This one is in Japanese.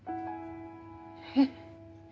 えっ？